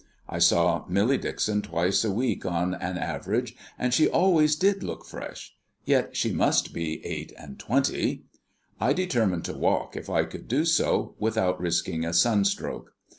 I saw Millie Dixon twice a week on an average, and she always did look fresh. Yet she must be eight and twenty. I determined to walk, if I could do so without risking a sunstroke.